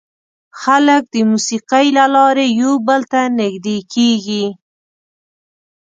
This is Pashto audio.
خلک د موسیقۍ له لارې یو بل ته نږدې کېږي.